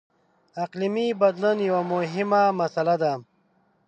• اقلیمي بدلون یوه مهمه مسله ده.